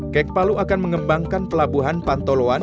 kek palu akan mengembangkan pelabuhan pantoloan